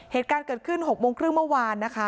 เหตุการณ์เกิดขึ้น๖โมงครึ่งเมื่อวานนะคะ